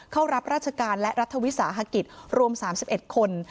เข้ารับราชการและรัฐวิสาหกิจรวม๓๑คน